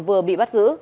và bị bắt giữ